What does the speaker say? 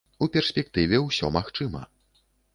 У перспектыве ўсё магчыма.